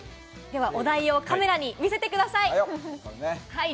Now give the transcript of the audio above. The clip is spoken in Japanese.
お題をカメラに見せてください。